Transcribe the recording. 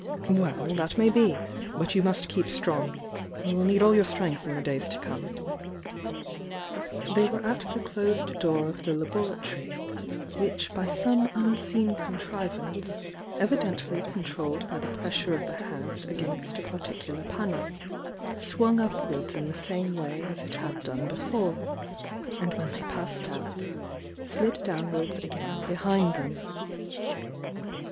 "Well, that may be; but you must keep strong. You will need all your strength in the days to They were at the closed door of the laboratory, which by some unseen contrivance, evidently con trolled by the pressure of the hand against a par ticular panel, swung upwards in the same way as it had done before, and when they passed out, slid downwards again behind them.